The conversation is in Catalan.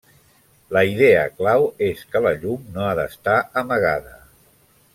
La idea clau és que la llum no ha d'estar amagada.